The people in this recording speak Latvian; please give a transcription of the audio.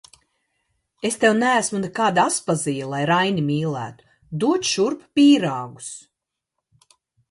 Es tev neesmu nekāda Aspazija, lai Raini mīlētu, dod šurp pīrāgus!